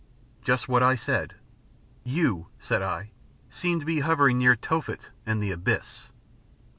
Just what I said. "You," said I, "seem to be hovering near Tophet and the Abyss."